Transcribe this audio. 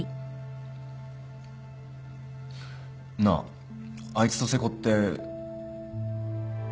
なああいつと瀬古って。